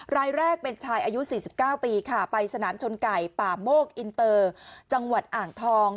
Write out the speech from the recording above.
รายแรกเป็นชายอายุ๔๙ปีค่ะไปสนามชนไก่ป่าโมกอินเตอร์จังหวัดอ่างทอง